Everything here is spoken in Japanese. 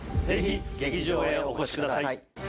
ぜひ劇場へお越しください